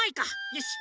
よし。